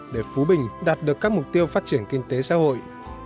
để phú bình đạt được các mục tiêu phát triển kinh tế xã hội